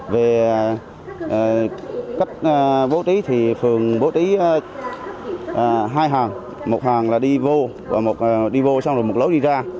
về cách bố trí thì phường bố trí hai hàng một hàng là đi vô và một đi vô xong rồi một lối đi ra